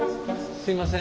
すいません。